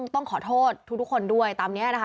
ต้องขอโทษทุกคนด้วยตามนี้นะคะ